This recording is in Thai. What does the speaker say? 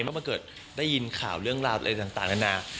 เมื่อมาเกิดได้ยินข่าวเรื่องราวอะไรต่างนานา